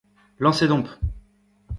Lañset omp !